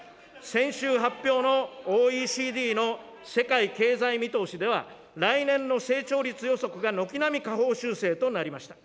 先週発表のＯＥＣＤの世界経済見通しでは、来年の成長率予測が軒並み下方修正となりました。